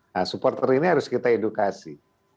nah supporter ini harus kita edukasi